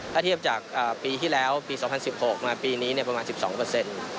ถ้าเทียบจากปีที่แล้วปี๒๐๑๖มาปีนี้ประมาณ๑๒